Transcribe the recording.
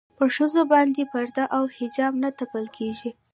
پر ښځمنو باندې پرده او حجاب نه تپل کېږي.